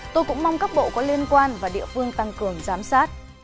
tôi cũng mong các bộ có liên quan và địa phương tăng cường giám sát